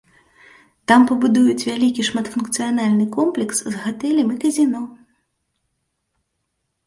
Там пабудуюць вялікі шматфункцыянальны комплекс з гатэлем і казіно.